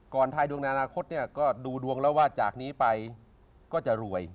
ทายดวงในอนาคตเนี่ยก็ดูดวงแล้วว่าจากนี้ไปก็จะรวย